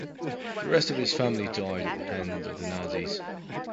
The rest of his family died at the hand of the Nazis.